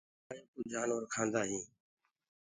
اور مڪآئي يو ڪوُ جآنور کآندآ هينٚ۔